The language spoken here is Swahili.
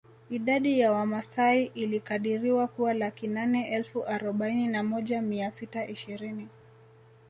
Idadi ya Wamasai ilikadiriwa kuwa laki nane elfu arobaini na moja mia sita ishirini